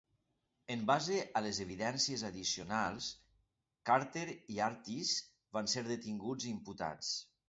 En base a les evidències addicionals, Carter i Artis van ser detinguts i imputats.